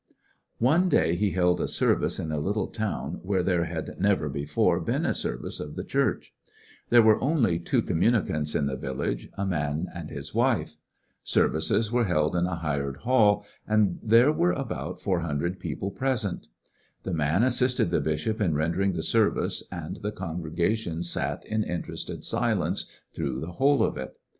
A ritualist One day he held a service in a little town where there had never before been a service 194 ^jssjonary m i^ GreaiWesl of the Church. There were only two comma nicants io the Yillage— a man and his wife. Services were held in a hired hall^ and there were abont fonr hundred people present. The man assisted the bishop in rendering the sarvicCj and the congregation sat in interested silence through the whole of it.